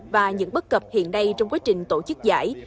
và những bất cập hiện nay trong quá trình tổ chức giải